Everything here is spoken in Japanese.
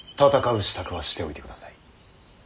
う支度はしておいてください。